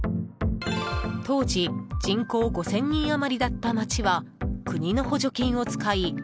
当時人口５０００人余りだった町は国の補助金を使い